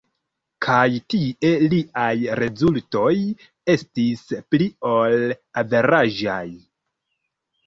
Kaj tie liaj rezultoj estis pli ol averaĝaj.